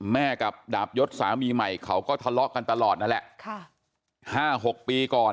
แม่กับดาบยศสามีใหม่เขาก็ทะเลาะกันตลอดนั่นแหละค่ะห้าหกปีก่อน